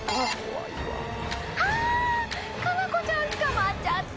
佳菜子ちゃん捕まっちゃった！